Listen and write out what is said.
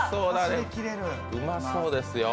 うまそうですよ。